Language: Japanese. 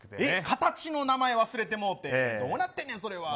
形の名前忘れてもうてどうなってんねん。